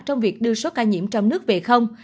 trong việc đưa số ca nhiễm trong nước về không